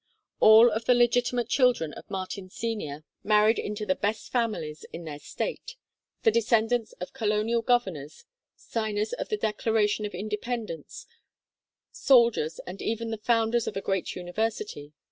All of the legitimate children of Martin Sr. married 30 THE KALLIKAK FAMILY into the best families in their state, the descendants of colonial governors, signers of the Declaration of Inde pendence, soldiers and even the founders of a great university.